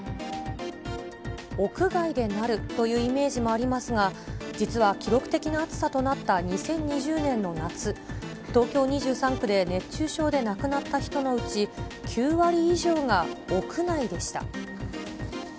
屋外でなるというイメージもありますが、実は記録的な暑さとなった２０２０年の夏、東京２３区で熱中症で亡くなった人のうち、９割以上が屋内でした。